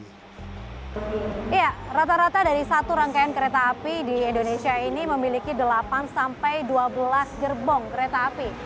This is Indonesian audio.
iya rata rata dari satu rangkaian kereta api di indonesia ini memiliki delapan sampai dua belas gerbong kereta api